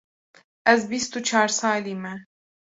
Ez bîst û çar salî me.